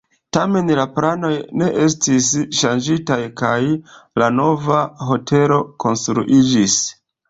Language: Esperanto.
Tamen la planoj ne estis ŝanĝitaj kaj la nova hotelo konstruiĝis.